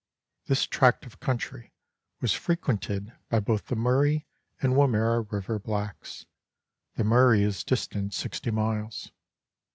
This tract of country was frequented by both the Murray and Wimmera River blacks. The Murray is distant 60 miles.